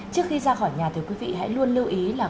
trước khi ra khỏi nhà thì quý vị hãy luôn lưu ý là